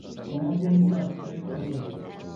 ئامال بولمىسا، خەير ئەمىسە!